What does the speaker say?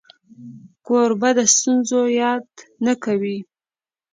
کوربه د ستونزو یاد نه کوي.